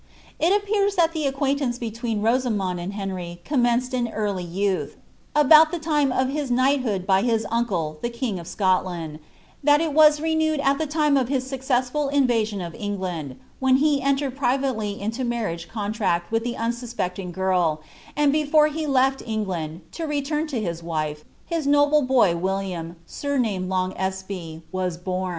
It appears that the ■0]Baiatsnee between Rosamond and Henry commenced in early youth, •boDt the time of his knighthood by hia uncle the king of Scotland; ihil a waa rpnewed at iho lime of hia succt^ssrul invasion of England, "hm he entered privately into marriage contract' with the unsuspecting tul; and before he left England, to return to his wife, his noble boy tfiUiain, aamamed I/ing Espee, was bom.